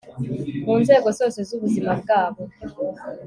mu nzego zose z'ubuzima bwabo